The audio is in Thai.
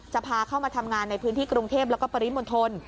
พาเข้ามาทำงานในพื้นที่กรุงเทพแล้วก็ปริมณฑล